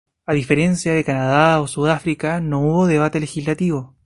A diferencia de Canadá y Sudáfrica no hubo debate legislativo.